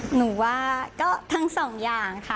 หนูว่าก็ทั้งสองอย่างค่ะ